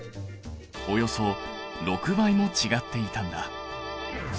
およそ６倍も違っていたんだ。